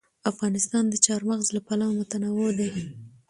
افغانستان د چار مغز له پلوه متنوع دی.